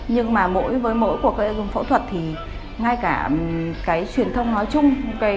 nhưng mà với mỗi cuộc dùng phẫu thuật thì ngay cả truyền thông nói chung